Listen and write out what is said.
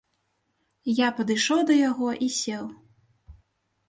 Я падышоў да яго і сеў.